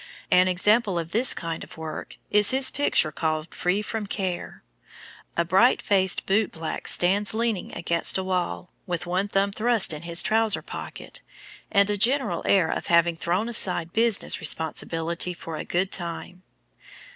An example of this kind of work is his picture called "Free from Care." A bright faced boot black stands leaning against a wall, with one thumb thrust in his trousers pocket, and a general air of having thrown aside business responsibility for a good time.